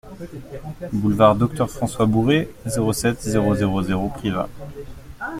Boulevard Docteur François Bourret, zéro sept, zéro zéro zéro Privas